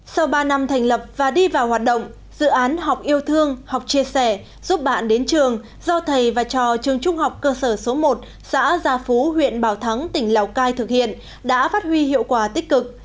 sau ba năm thành lập và đi vào hoạt động dự án học yêu thương học chia sẻ giúp bạn đến trường do thầy và trò trường trung học cơ sở số một xã gia phú huyện bảo thắng tỉnh lào cai thực hiện đã phát huy hiệu quả tích cực